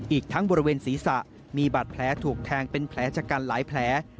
อีกทั้งบริเวณศีรษะมีบาดแผลถูกแทงเป็นแผลชะกันหลายแผล